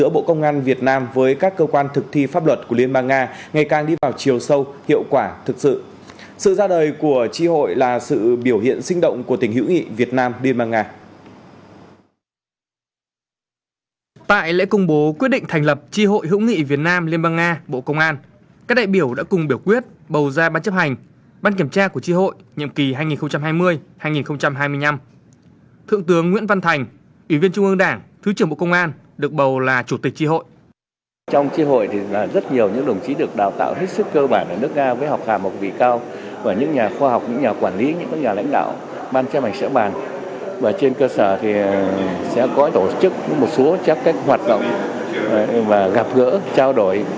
với việc thành lập chi hội hữu nghị việt nam liên bang nga bộ công an hiện việt nam có ba mươi năm hội hữu nghị việt nga tại các tỉnh thành phố